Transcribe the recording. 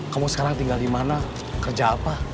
kamu sekarang tinggal dimana kerja apa